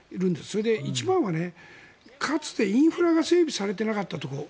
それで一番はかつてインフラが整備されていなかったところ。